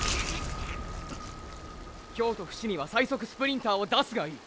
京都伏見は最速スプリンターを出すがいい。